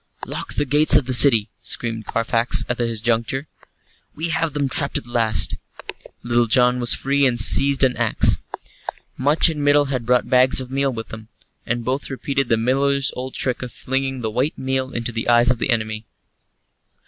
"Lock the gates of the city," screamed Carfax, at this juncture. "We have them trapped at last." Little John was free and had seized an axe. Much and Middle had brought bags of meal with them, and both repeated the miller's old trick of flinging the white meal into the eyes of the enemy.